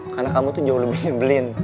karena kamu tuh jauh lebih nyebelin